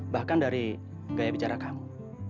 bahkan dari gaya bicara kamu